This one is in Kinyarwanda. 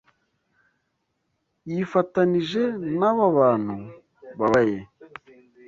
Yifatanije naba bantu bababaye.